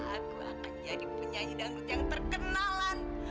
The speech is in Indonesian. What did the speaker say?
aku akan jadi penyanyi dangdut yang terkenalan